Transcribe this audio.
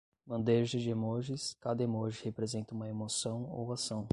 Bandeja de emojis, cada emoji representa uma emoção ou ação